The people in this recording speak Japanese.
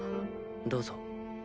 どうぞ。